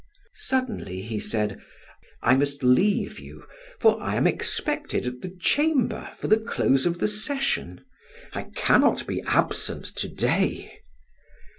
Suddenly he said: "I must leave you, for I am expected at the Chamber for the close of the session. I cannot be absent to day."